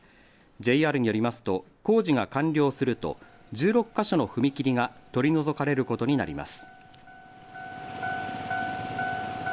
ＪＲによりますと工事が完了すると１６か所の踏切が取り除かれることになります。